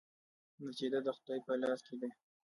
نتیجه د خدای په لاس کې ده؟